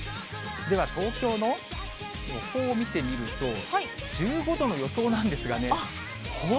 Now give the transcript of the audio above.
では、東京の予報を見てみると、１５度の予想なんですがね。